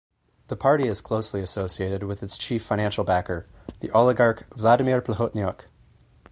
The party is closely associated with its chief financial backer, the oligarch Vladimir Plahotniuc.